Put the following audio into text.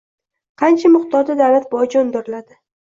qancha miqdorda davlat boji undiriladi?